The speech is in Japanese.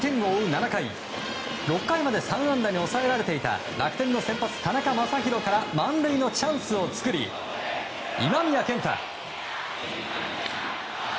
７回６回まで３安打に抑えられていた楽天の先発、田中将大から満塁のチャンスを作り今宮健太。